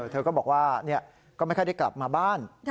เธอก็บอกว่าก็ไม่ค่อยได้กลับมาบ้าน